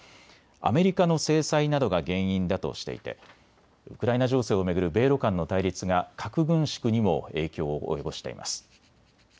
アメリカの制裁などが原因だとしていてウクライナ情勢を巡る米ロ間の対立が核軍縮にも影響を及ぼしています。